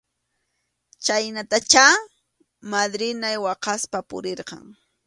Chhaynatachá madrinay waqaspa purirqan.